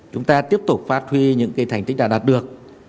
chúng ta tiếp tục phát huy những thành tích đã đạt được